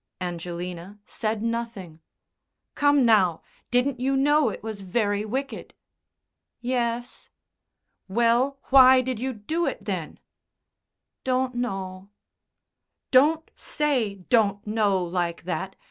Angelina said nothing. "Come, now! Didn't you know it was very wicked?" "Yes." "Well, why did you do it, then?" "Don't know." "Don't say 'don't know' like that.